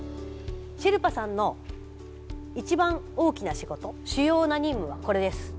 シェルパさんの一番大きな仕事主要な任務はこれです。